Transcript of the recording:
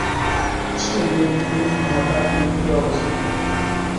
স্টেডিয়ামটি ঢাকার মিরপুরে অবস্থিত।